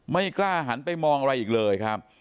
ไม่กล้าหันไปมองอะไรอีกเลยครับ